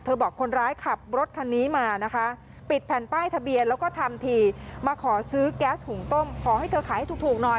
บอกคนร้ายขับรถคันนี้มานะคะปิดแผ่นป้ายทะเบียนแล้วก็ทำทีมาขอซื้อแก๊สหุงต้มขอให้เธอขายให้ถูกหน่อย